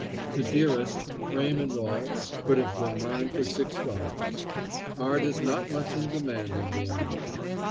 The dearest, frame and all, could have been mine for six dollars. Art is not much in demand in Vienna.